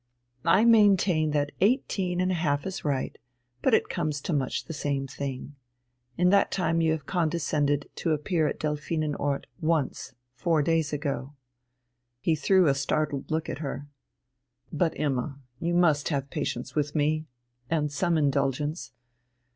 I maintain that eighteen and a half is right, but it comes to much the same thing. In that time you have condescended to appear at Delphinenort once four days ago." He threw a startled look at her. "But, Imma, you must have patience with me, and some indulgence.